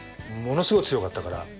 ものすごい強かったから。